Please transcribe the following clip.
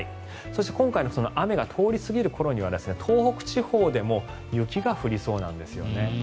そして今回の雨が通り過ぎる頃には東北地方でも雪が降りそうなんですよね。